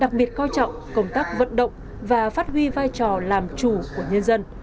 đặc biệt coi trọng công tác vận động và phát huy vai trò làm chủ của nhân dân